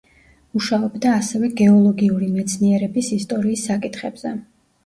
მუშაობდა ასევე გეოლოგიური მეცნიერების ისტორიის საკითხებზე.